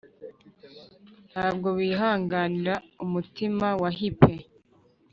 ntabwo bihanganira umutima wa hipe